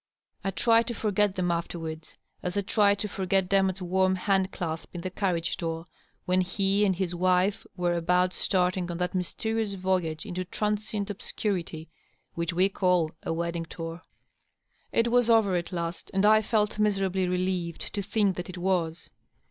I tried to forget them afterward, as I tried to forget Demotte^s warm hand clasp at the carriage door when he and his wife were about starting on that mysterious voyage into transient obscurity which we call a w^ding<4aur. .• It was over at last, and I felt miserably relieved to think that it was.